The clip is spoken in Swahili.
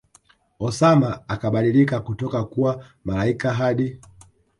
Osama akabadilika kutoka kuwa malaika Hadi